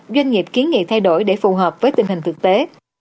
doanh nghiệp kiến nghị thay đổi để phù hợp với tình hình thực tế